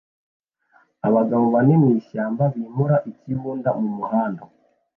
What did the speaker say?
Abagabo bane mwishyamba bimura ikibunda mumuhanda